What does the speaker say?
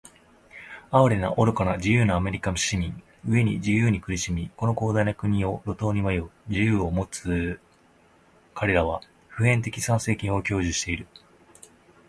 哀れな、愚かな、自由なアメリカ市民！飢えに「自由」に苦しみ、この広大な国を路頭に迷う「自由」を持つかれらは、普遍的参政権を享受している。